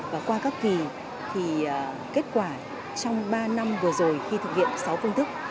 và qua các kỳ thì kết quả trong ba năm vừa rồi khi thực hiện sáu phương thức